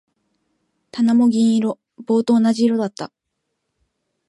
棚も銀色。棒と同じ色だった。